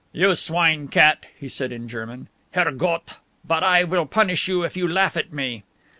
"You swine cat!" he said in German, "Herr Gott, but I will punish you if you laugh at me!"